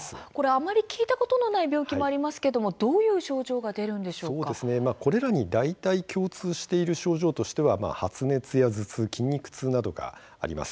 あまり聞いたことのない病気もありますがこれらに大体、共通する症状としては主に発熱や頭痛筋肉痛などがあります。